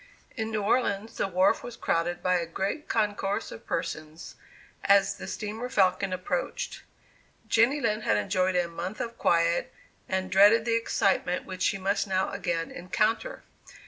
In New Orleans the wharf was crowded by a great concourse of persons, as the steamer "Falcon" approached. Jenny Lind had enjoyed a month of quiet, and dreaded the excitement which she must now again encounter.